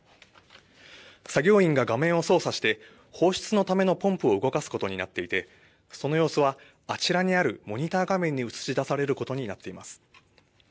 作業員が画面を操作して放出のためのポンプを動かしことになっていてその様子はあちらにあるモニター画面に映し出されることになっています。